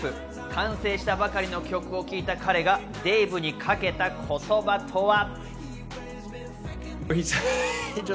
完成したばかりの曲を聴いた彼がデイヴにかけた言葉とは。